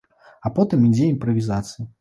А потым ідзе імправізацыя.